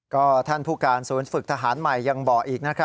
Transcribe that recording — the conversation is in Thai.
ก็ท่านผู้การศูนย์ฝึกทหารใหม่ยังบอกอีกนะครับ